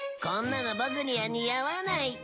こんなのボクには似合わない。